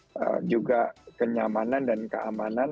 kemudian juga kenyamanan dan keamanan